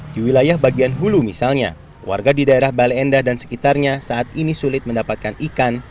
di wilayah bagian hulu misalnya warga di daerah bale endah dan sekitarnya saat ini sulit mendapatkan ikan